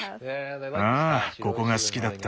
ああここが好きだった。